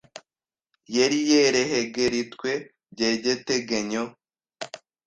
yeri yerehegeritwe by’egetegenyo